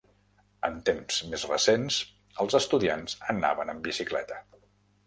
En temps més recents, els estudiants anaven en bicicleta.